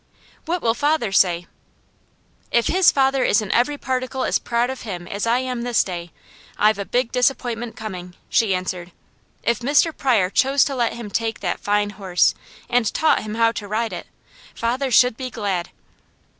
"What will father say?" "If his father isn't every particle as proud of him as I am this day, I've a big disappointment coming," she answered. "If Mr. Pryor chose to let him take that fine horse, and taught him how to ride it, father should be glad."